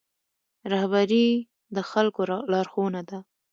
رهبري د خلکو لارښوونه ده